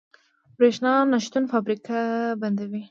برښنا نشتون فابریکې بندوي.